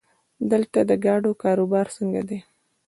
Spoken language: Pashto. دلته د ګاډو کاروبار څنګه دی؟